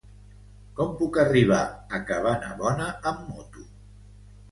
Com puc arribar a Cabanabona amb moto?